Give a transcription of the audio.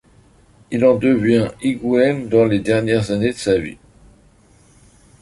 Il en devient higoumène dans les dernières années de sa vie.